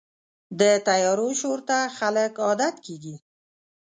د طیارو شور ته خلک عادت کېږي.